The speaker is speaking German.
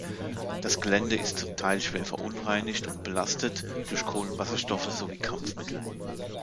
Das Gelände ist zum Teil schwer verunreinigt und belastet durch Kohlenwasserstoffe sowie Kampfmittel.